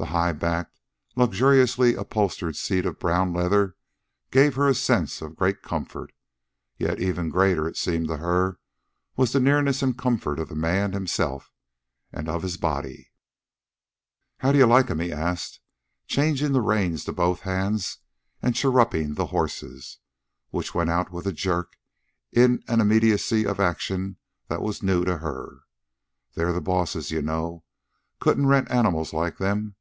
The high backed, luxuriously upholstered seat of brown leather gave her a sense of great comfort; yet even greater, it seemed to her, was the nearness and comfort of the man himself and of his body. "How d'ye like 'em?" he asked, changing the reins to both hands and chirruping the horses, which went out with a jerk in an immediacy of action that was new to her. "They're the boss's, you know. Couldn't rent animals like them.